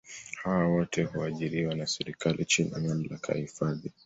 hawa wote huajiriwa na serikali chini ya mamlaka ya hifadhi